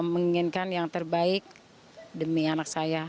menginginkan yang terbaik demi anak saya